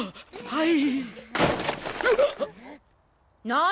はい！